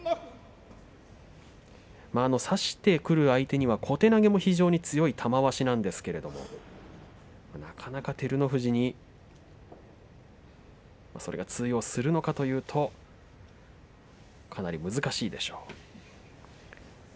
差してくる相手には小手投げも非常に強い玉鷲なんですがなかなか照ノ富士にそれが通用するのかというとかなり難しいでしょう。